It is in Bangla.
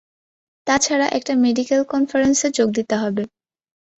তাছাড়া, একটা মেডিকেল কনফারেন্সে যোগ দিতে যেতে হবে।